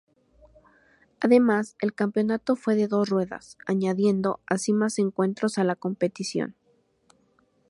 Además, el campeonato fue de dos ruedas, añadiendo así más encuentros a la competición.